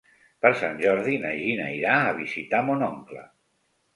Per Sant Jordi na Gina irà a visitar mon oncle.